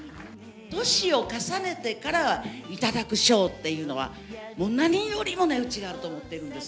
年を重ねてから頂く賞っていうのは、もう何よりも値打ちがあると思ってるんです。